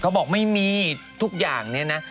บอกไม่มีทุกอย่างเนี่ยนะ